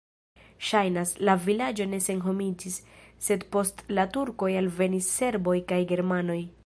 Ŝajnas, la vilaĝo ne senhomiĝis, sed post la turkoj alvenis serboj kaj germanoj.